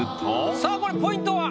さあこれポイントは？